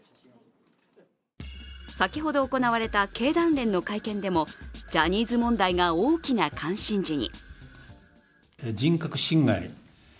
先ほど行われた経団連の会見でもジャニーズ問題が大きな関心事に。